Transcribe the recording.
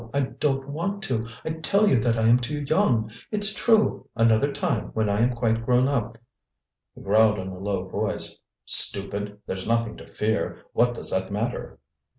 I don't want to! I tell you that I am too young. It's true! Another time, when I am quite grown up." He growled in a low voice: "Stupid! There's nothing to fear. What does that matter?"